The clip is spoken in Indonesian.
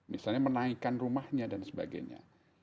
misalnya menaikkan rumahnya dan sebagainya